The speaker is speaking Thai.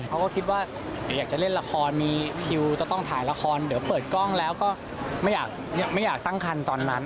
เขาก็คิดว่าอยากจะเล่นละครมีคิวจะต้องถ่ายละครเดี๋ยวเปิดกล้องแล้วก็ไม่อยากตั้งคันตอนนั้น